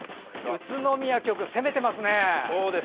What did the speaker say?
宇都宮局、攻めてますね。